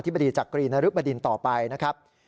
ที่บริจักรีนรุปดินต่อไปนะครับ